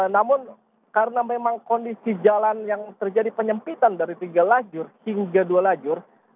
namun karena memang kondisi jalan yang terjadi penyempitan dari tiga lajur hingga dua lajur